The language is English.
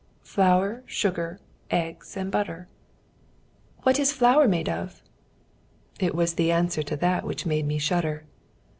"'Flour, sugar, eggs and butter.' "'What is flour made of?' "It was the answer to that which made me shudder."